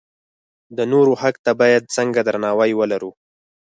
د نورو حق ته باید څنګه درناوی ولرو.